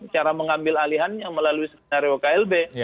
cara mengambil alihan yang melalui senario klb